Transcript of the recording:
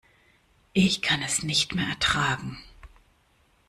Ich kann es nicht mehr ertragen.